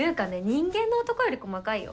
人間の男より細かいよ。